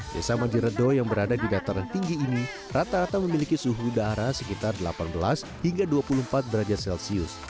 desa mandiredo yang berada di dataran tinggi ini rata rata memiliki suhu udara sekitar delapan belas hingga dua puluh empat derajat celcius